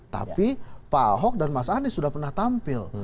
tapi pak ahok dan mas anies sudah pernah tampil